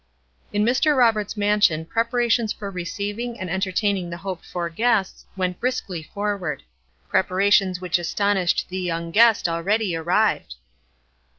In Mr. Roberts' mansion preparations for receiving and entertaining the hoped for guests went briskly forward. Preparations which astonished the young guest already arrived.